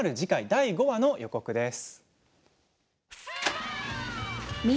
第５話の予告です。